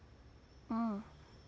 うん。